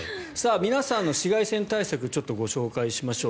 皆さんの紫外線対策ちょっとご紹介しましょう。